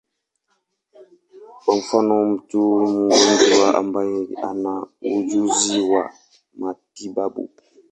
Kwa mfano, mtu mgonjwa ambaye hana ujuzi wa matibabu.